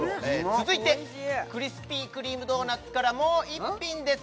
続いてクリスピー・クリーム・ドーナツからもう一品です